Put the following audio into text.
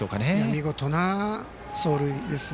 見事な走塁ですね。